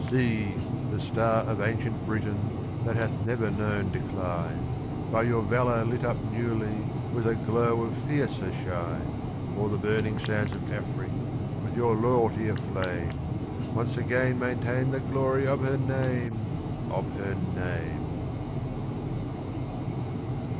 See! the star of ancient Britain, That hath never known decline, By your valour lit up newly, With a glow of fiercer shine, O'er the burning sands of Afric, With your loyalty aflame; Once again maintain the glory Of her name, of her name!